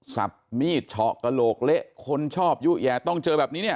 สับมีดเฉาะกระโหลกเละคนชอบยุแยะต้องเจอแบบนี้เนี่ย